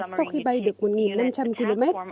sau khi bay được một năm trăm linh km